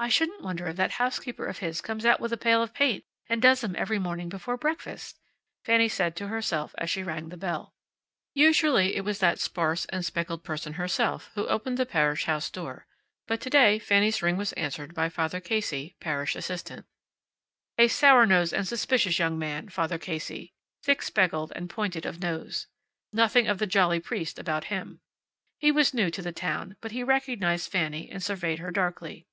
"I shouldn't wonder if that housekeeper of his comes out with a pail of paint and does 'em every morning before breakfast," Fanny said to herself as she rang the bell. Usually it was that sparse and spectacled person herself who opened the parish house door, but to day Fanny's ring was answered by Father Casey, parish assistant. A sour faced and suspicious young man, Father Casey, thick spectacled, and pointed of nose. Nothing of the jolly priest about him. He was new to the town, but he recognized Fanny and surveyed her darkly.